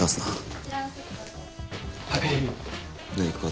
はい。